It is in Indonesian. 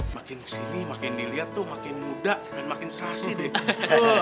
makin kesini makin dilihat tuh makin muda dan makin serasi deh